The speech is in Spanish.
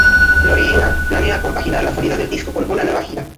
Loreena planea compaginar la salida del disco con una nueva gira.